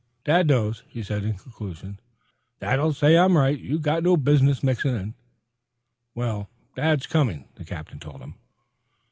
"Dad knows," he said in conclusion. "Dad'll say I'm right. You got no business mixin' in." "Dad's coming," the captain told him.